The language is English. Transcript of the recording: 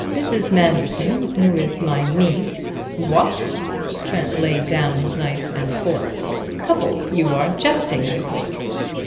Mrs. Manderson, who is my niece " "What!" Trent laid down his knife and fork. "Cupples, you are jesting with me."